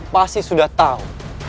pasti sudah tahu